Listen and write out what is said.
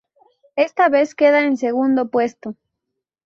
Esta vez queda en segundo puesto.